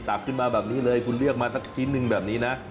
ขึ้นมาแบบนี้เลยคุณเลือกมาสักชิ้นหนึ่งแบบนี้นะ